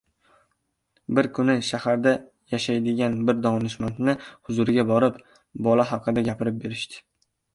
Bir kuni shaharda yashaydigan bir donishmandning huzuriga borib, bola haqida gapirib berishdi.